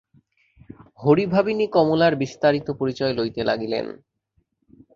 হরিভাবিনী কমলার বিস্তারিত পরিচয় লইতে লাগিলেন।